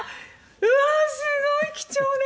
うわっすごい貴重な。